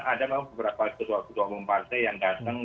ada memang beberapa ketua ketua umum partai yang datang